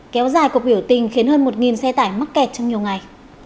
kéo dài cuộc biểu tình khiến hơn một xe tải mắc kẹt trong nhiều ngày